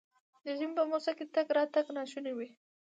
د ژمي په موسم کې تګ راتګ ناشونی وي.